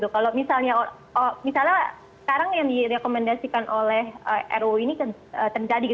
kalau misalnya sekarang yang direkomendasikan oleh ruu ini terjadi